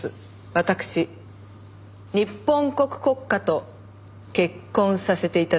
わたくし日本国国家と結婚させて頂きます。